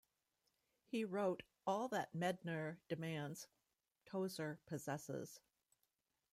He wrote All that Medtner demands, Tozer possesses.